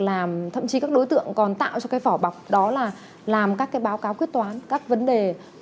làm thậm chí các đối tượng còn tạo cho cái vỏ bọc đó là làm các cái báo cáo quyết toán các vấn đề